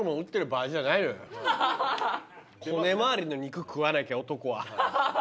骨まわりの肉食わなきゃ男は。